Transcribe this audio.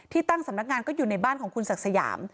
ตั้งสำนักงานก็อยู่ในบ้านของคุณศักดิ์สยาม